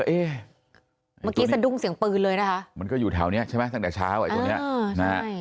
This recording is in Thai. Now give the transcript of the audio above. หมามันก็เฮ้มันก็อยู่เท่านี้ใช่ไหมตั้งแต่เช้าไอ้ตัวนี้